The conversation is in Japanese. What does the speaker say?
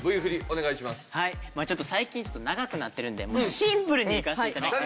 最近ちょっと長くなってるんでシンプルにいかせて頂きたいと。